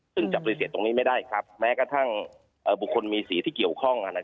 ซึ่งจะปฏิเสธตรงนี้ไม่ได้ครับแม้กระทั่งบุคคลมีสีที่เกี่ยวข้อง